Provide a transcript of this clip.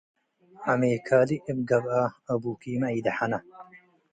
ዐሜካሊ እብ ገብአ - አቡኪማ ኢደሐና